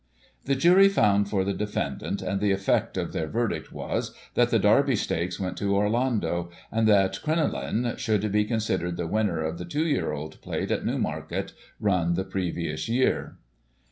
The jury found for the defendant, and the effect of their verdict was, that the Derby Stakes went to Orlando, and that Crenoline should be considered the winner of the Two Year Old Plate at Newmarket, run the previous year.